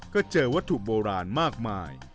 ก็เจอวัตถุโบราณมากมาย